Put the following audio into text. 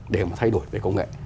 để mà thay đổi về công nghệ